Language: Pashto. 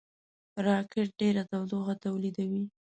راکټ ډېره تودوخه تولیدوي